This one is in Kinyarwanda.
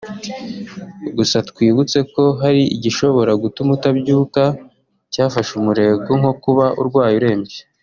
Gusa twibutseko hari ibishobora gutuma utabyuka cyafashe umurego nko kuba urwaye urembye